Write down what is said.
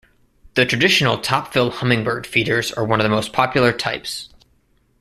The traditional top-fill hummingbird feeders are one of the most popular types.